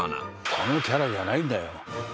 このキャラじゃないんだよ